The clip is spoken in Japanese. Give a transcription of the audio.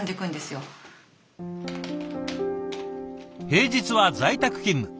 平日は在宅勤務。